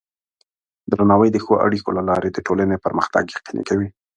درناوی د ښو اړیکو له لارې د ټولنې پرمختګ یقیني کوي.